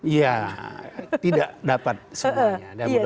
ya tidak dapat semuanya